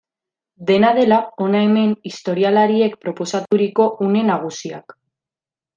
Dena dela, hona hemen historialariek proposaturiko une nagusiak.